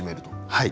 はい。